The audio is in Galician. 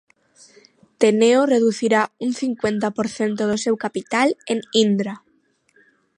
Teneo reducirá un cincuenta por cento do seu capital en Indra